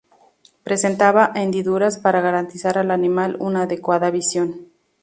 Presentaba hendiduras para garantizar al animal una adecuada visión.